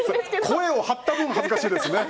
声を張った分恥ずかしいですね。